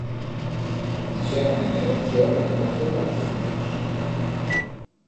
Dixeron en herencio lo negocio pa los fillos.